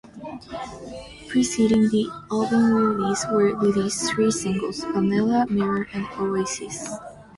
Preceding the album release, were released three singles, "Vanilla", "Mirror" and "Oasis".